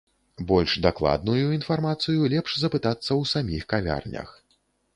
Больш дакладную інфармацыю лепш запытацца ў саміх кавярнях.